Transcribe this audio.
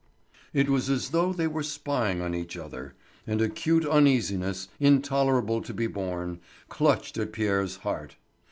It was as though they were spying on each other; and acute uneasiness, intolerable to be borne, clutched at Pierre's heart.